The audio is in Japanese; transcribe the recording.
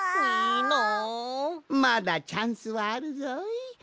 まだチャンスはあるぞい。